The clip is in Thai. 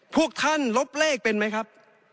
พวกท่านลบเลขเป็นไหมครับ